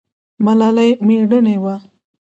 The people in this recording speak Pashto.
ملالۍ میړنۍ وه